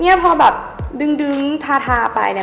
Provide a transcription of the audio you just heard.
เนี่ยพอแบบดึงทาทาไปเนี่ย